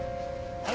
あ。